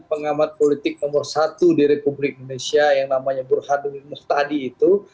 pengamat politik nomor satu di republik indonesia yang namanya burhanuddin muhtadi itu